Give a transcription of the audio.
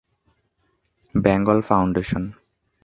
Bengal foundation.